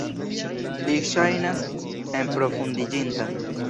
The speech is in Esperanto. Li ŝajnas enprofundiĝinta.